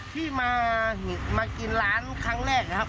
ที่มากินร้านครั้งแรกนะครับ